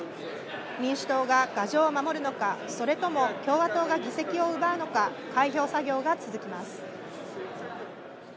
民主党が牙城を守るのか、それとも共和党が議席を奪うのか開票作業が続きます。